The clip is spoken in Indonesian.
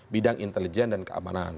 bidang intelijen dan keamanan